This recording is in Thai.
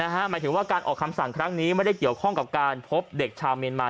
หมายถึงว่าการออกคำสั่งครั้งนี้ไม่ได้เกี่ยวข้องกับการพบเด็กชาวเมียนมา